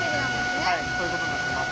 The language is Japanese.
はいそういうことになってます。